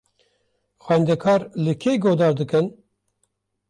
Xwendekar li kê guhdar dikin?